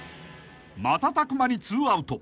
［瞬く間に２アウト］